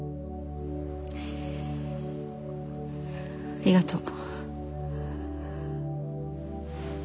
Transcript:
ありがとう。